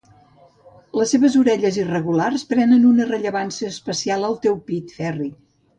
Les seves orelles irregulars prenen una rellevància especial al teu pit, Ferri.